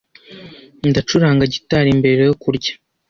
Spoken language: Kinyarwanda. Ndacuranga gitari mbere yo kurya.